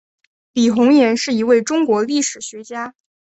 李洪岩是一位中国历史学家。